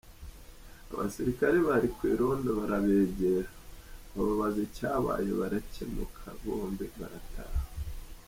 Abasirikare bari ku irondo barabegera, bababaza icyabaye barakemuka bombi barataha.